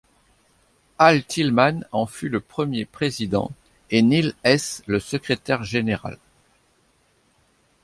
Al Tillman en fut le premier président et Neal Hess, le secrétaire général.